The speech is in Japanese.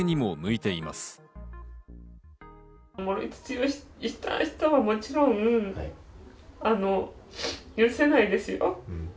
盛り土をした人はもちろん、許せないですよ。